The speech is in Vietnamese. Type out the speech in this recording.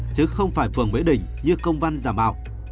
chứ không phải phường mỹ đình như công van giả mạo